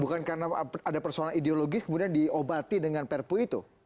bukan karena ada persoalan ideologis kemudian diobati dengan perpu itu